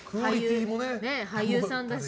俳優さんだし。